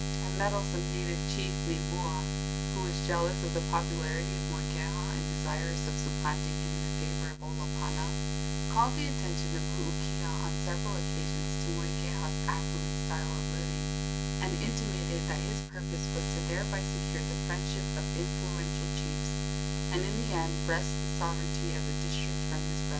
A meddlesome native chief named Mua, who was jealous of the popularity of Moikeha and desirous of supplanting him in the favor of Olopana, called the attention of Luukia on several occasions to Moikeha's affluent style of living, and intimated that his purpose was to thereby secure the friendship of influential chiefs, and in the end wrest the sovereignty of the district from his brother.